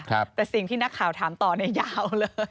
แต่สิ่งที่นักข่าวถามต่อเนี่ยยาวเลย